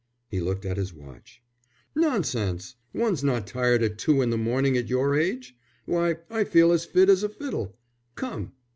He looked at his watch. "Nonsense! One's not tired at two in the morning at your age. Why, I feel as fit as a fiddle. Come."